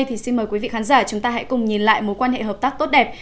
thì xin mời quý vị khán giả chúng ta hãy cùng nhìn lại mối quan hệ hợp tác tốt đẹp